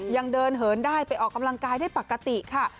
ยังเดินเหินได้ไปออกกำลังกายได้ปกติค่ะ